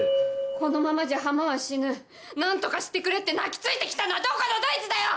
このままじゃ浜は死ぬ何とかしてくれって泣き付いて来たのはどこのどいつだよ！